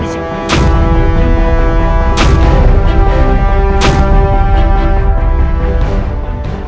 ini baik upload